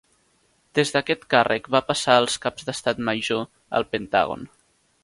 Des d'aquest càrrec va passar als caps d'estat major al Pentàgon.